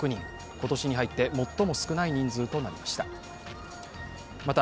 今年に入って最も少ない人数となりました。